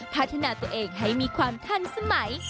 พัฒนาตัวเองให้มีความทันสมัย